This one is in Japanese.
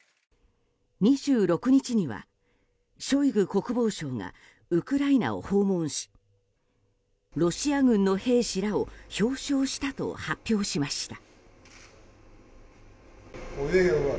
２６日にはショイグ国防相がウクライナを訪問しロシア軍の兵士らを表彰したと発表しました。